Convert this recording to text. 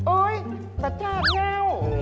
โอ๊ยประจาทเท่า